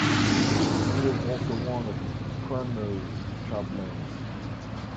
He was also one of Cranmer's chaplains.